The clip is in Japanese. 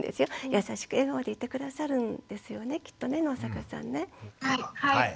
優しく笑顔でいて下さるんですよねきっとね野坂さんね。